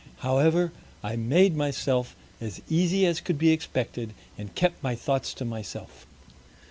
However, I made myself as easy as could be expected, and kept my Thoughts to myself.